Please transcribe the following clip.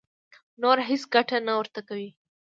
نوره هېڅ ګټه نه ورته کوي.